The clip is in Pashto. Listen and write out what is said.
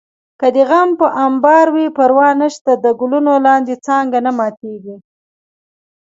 که دې غم په امبار وي پروا نشته د ګلونو لاندې څانګه نه ماتېږي